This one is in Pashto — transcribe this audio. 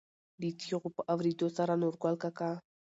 دې چېغو په اورېدو سره نورګل کاکا.